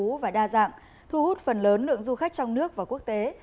nguồn tài nguyên du lịch phong phú và đa dạng thu hút phần lớn lượng du khách trong nước và quốc tế